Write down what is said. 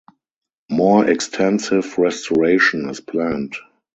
More extensive restoration is planned.